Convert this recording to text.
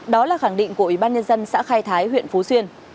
đó là khẳng định của ủy ban nhân dân xã khai thái huyện phú xuyên